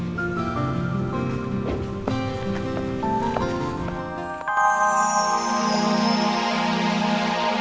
mungkin dia ke mobil